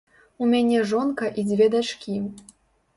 У мяне жонка і дзве дачкі.